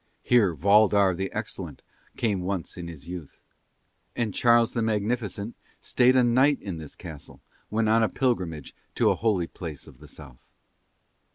Here Valdar the Excellent came once in his youth. And Charles the Magnificent stayed a night in this castle when on a pilgrimage to a holy place of the South.